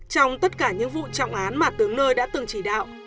trong tất cả những vụ trọng án mà tướng nôi đã từng chỉ đạo